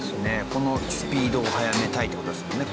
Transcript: このスピードを速めたいって事ですもんね。